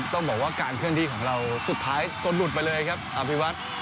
ต้องบอกว่าการเคลื่อนที่ของเราสุดท้ายจนหลุดไปเลยครับอภิวัตร